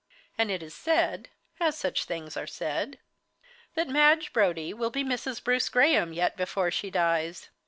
And it is said as such things are said that Madge Brodie will be Mrs. Bruce Graham yet before she dies.